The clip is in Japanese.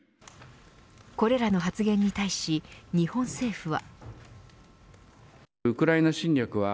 これらの発言に対し日本政府は。